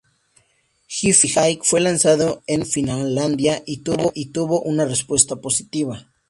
Hi-Fi High fue lanzado en Finlandia y tuvo una respuesta positiva.